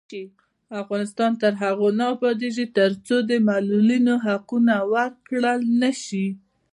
افغانستان تر هغو نه ابادیږي، ترڅو د معلولینو حقونه ورکړل نشي.